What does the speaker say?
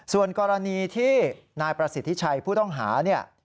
ส่วนกรณีที่นายประสิทธิชัยผู้ต้องหาเนี่ย